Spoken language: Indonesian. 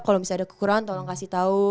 kalau misalnya ada kekurangan tolong kasih tahu